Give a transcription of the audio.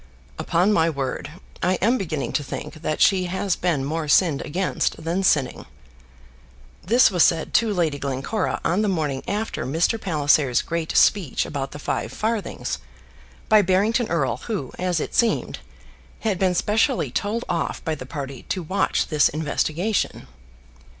"Upon my word, I am beginning to think that she has been more sinned against than sinning." This was said to Lady Glencora on the morning after Mr. Palliser's great speech about the five farthings, by Barrington Erle, who, as it seemed, had been specially told off by the party to watch this investigation.